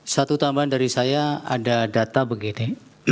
satu tambahan dari saya ada data begini